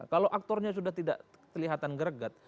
kalau aktornya sudah tidak kelihatan greget